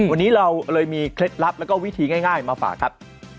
วันนี้เราเลยมีเคล็ดลับแล้วก็วิธีง่ายมาฝากครับ